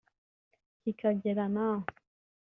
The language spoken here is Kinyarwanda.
kikagera naho (Abanyarwanda)